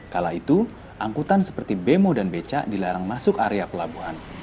kala itu angkutan seperti bemo dan beca dilarang masuk area pelabuhan